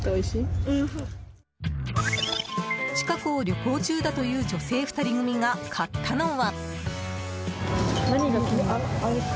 近くを旅行中だという女性２人組が買ったのは。